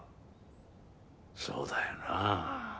そうだよな。